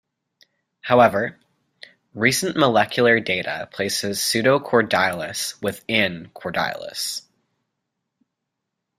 However, recent molecular data places "Pseudocordylus" within "Cordylus".